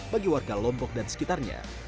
bagi warga lombok dan sekitarnya